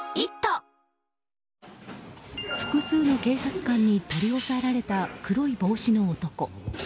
複数の警察官に取り押さえられた黒い帽子の男。